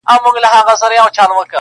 o د نوم له سيـتاره دى لـوېـدلى.